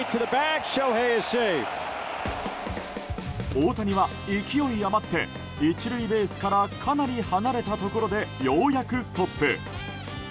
大谷は勢い余って１塁ベースからかなり離れたところでようやくストップ。